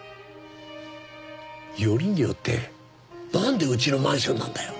よりによってなんでうちのマンションなんだよ。